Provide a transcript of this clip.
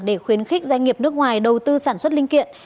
để khuyến khích doanh nghiệp nước ngoài đầu tư sản xuất linh kiện